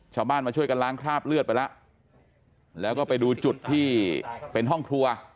ชาวบ้านมาช่วยกันล้างคราบเลือดไปแล้วแล้วก็ไปดูจุดที่เป็นห้องครัว